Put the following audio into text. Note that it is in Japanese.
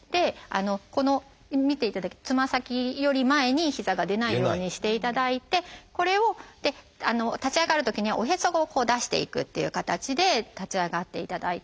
このつま先より前に膝が出ないようにしていただいてこれを立ち上がるときにはおへそを出していくっていう形で立ち上がっていただいて。